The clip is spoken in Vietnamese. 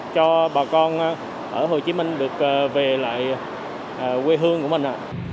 cho bà con ở hồ chí minh được về lại quê hương của mình